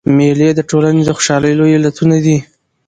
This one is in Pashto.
مېلې د ټولني د خوشحالۍ لوی علتونه دي.